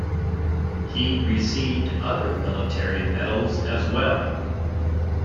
He received other military medals as well.